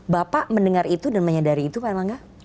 bapak mendengar itu dan menyadari itu pak erlangga